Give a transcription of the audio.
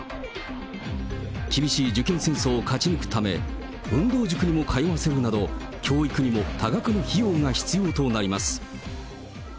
厳しい受験戦争を勝ち抜くため、運動塾にも通わせるなど、教育にも多額の費用が必要となります。